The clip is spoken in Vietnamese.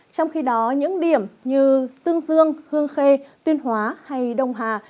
trong khi đó những điểm như tương dương hương khê tuyên hóa hay đông hà